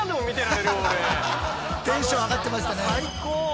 テンション上がってましたね。